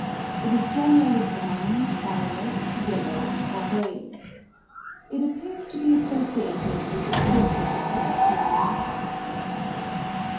It is generally brown, violet, yellow, or grey. It appears to be associated with the presence of the alkali metals.